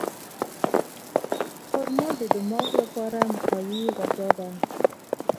خرما د دماغ لپاره مقوي غذا ده.